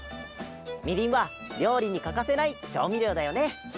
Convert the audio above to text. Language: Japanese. みりんはりょうりにかかせないちょうみりょうだよね。